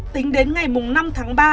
tính đến ngày năm tháng ba